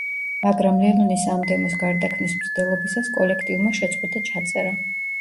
მაგრამ ლენონის ამ დემოს გარდაქმნის მცდელობისას კოლექტივმა შეწყვიტა ჩაწერა.